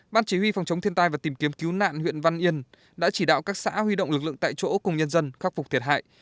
ban chỉ huy phòng chống thiên tai và tìm kiếm cứu nạn huyện văn yên đã chỉ đạo các xã huy động lực lượng tại chỗ cùng nhân dân khắc phục thiệt hại